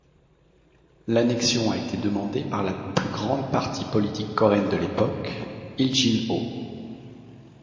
L'annexion a été demandé par la plus grande partie politique coréenne de l'époque, Iljinhoe.